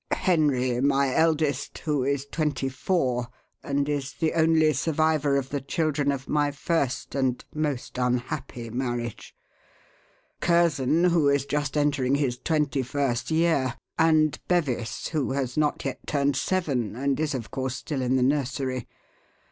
"Henry, my eldest, who is twenty four and is the only survivor of the children of my first and most unhappy marriage; Curzon, who is just entering his twenty first year, and Bevis, who has not yet turned seven, and is, of course, still in the nursery.